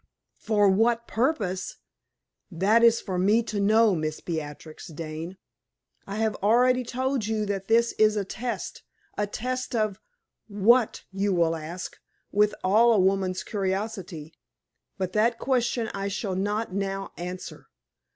"For what purpose? That is for me to know, Miss Beatrix Dane. I have already told you that this is a test. A test of what, you will ask, with all a woman's curiosity. But that question I shall not now answer.